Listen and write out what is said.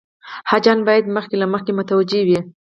حاجیان باید مخکې له مخکې متوجه وي.